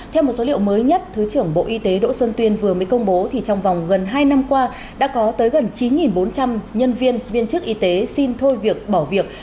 theo một số liệu mới nhất thứ trưởng bộ y tế đỗ xuân tuyên vừa mới công bố thì trong vòng gần hai năm qua đã có tới gần chín bốn trăm linh nhân viên viên chức y tế xin thôi việc bỏ việc